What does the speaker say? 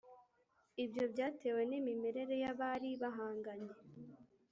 ibyo byatewe n'imimerere y'abari bahanganye.